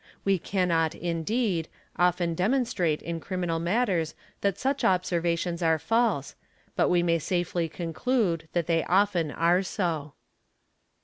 We cannot, indeed, often demonstrate in criminal matters that such observations are false, but we may safely conclude thai they often are so.